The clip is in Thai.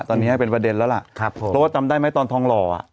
ตอนนี้เป็นประเด็นแล้วล่ะครับผมเพราะว่าจำได้ไหมตอนทองหล่ออ่ะ